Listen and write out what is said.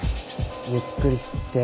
ゆっくり吸って。